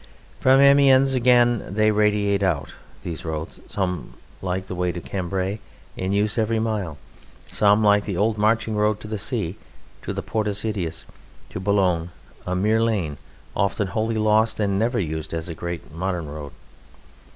From Amiens again they radiate out, these roads, some, like the way to Cambray, in use every mile; some, like the old marching road to the sea, to the Portus Itius, to Boulogne, a mere lane often wholly lost and never used as a great modern road.